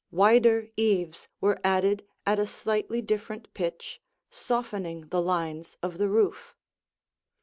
Wider eaves were added at a slightly different pitch, softening the lines of the roof.